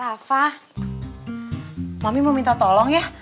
rafa mami mau minta tolong ya